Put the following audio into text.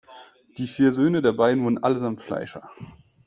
Die vier Söhne der beiden wurden allesamt Fleischer.